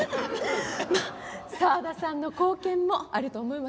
まあ澤田さんの貢献もあると思いますけど。